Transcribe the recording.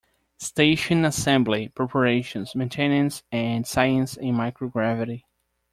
Station assembly preparations, maintenance and science in microgravity.